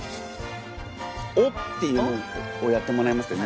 「お」っていうのをやってもらえますか？